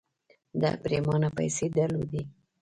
ده پرېمانه پيسې درلودې.